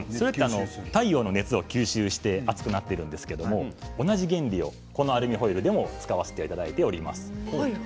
太陽の熱を吸収して暑くなっているんですけれど、同じ原理をこのアルミホイルでも使わせていただいております。